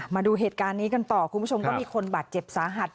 มาดูเหตุการณ์นี้กันต่อคุณผู้ชมก็มีคนบาดเจ็บสาหัส